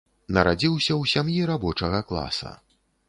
Нарадзіўся ў сям'і рабочага класа.